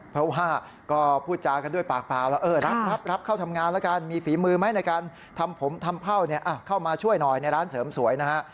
เพราะว่าก็พูดจากันด้วยปากเปล่าแล้วเออรับเข้าทำงานแล้วกันมีฝีมือไหมในการทำผมทำเผ่าเนี่ยเข้ามาช่วยหน่อยในร้านเสริมสวยนะฮะ